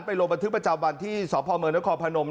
ไปลงบันทึกประจำวันที่สพนคอนพนม